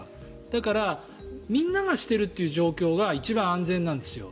だからみんながしてるという状況が一番安全なんですよ。